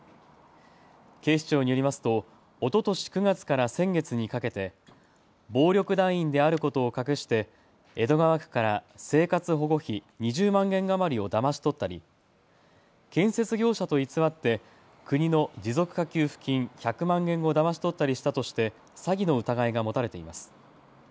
警視庁によりますとおととし９月から先月にかけて暴力団員であることを隠して江戸川区から生活保護費、２０万円余りをだまし取ったり建設業者と偽って国の持続化給付金１００万円をだまし取ったりしたとして詐欺の疑いが持たれています。